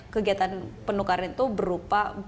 kegiatan penukaran itu berupa